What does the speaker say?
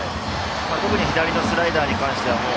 特に左のスライダーに関しては。